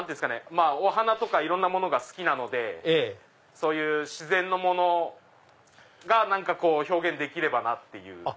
お花とかいろんなものが好きなのでそういう自然のものが表現できればなっていう。